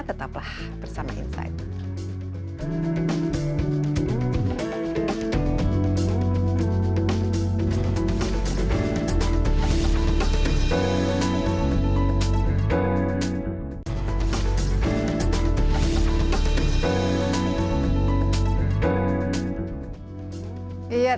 tetaplah bersama insight